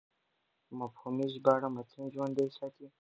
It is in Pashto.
مفهومي ژباړه متن ژوندی ساتي.